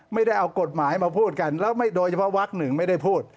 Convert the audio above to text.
ไม่ได้เอากฎหมายมาพูดกันแล้วโดยเฉพาะวักหนึ่งไม่ได้พูด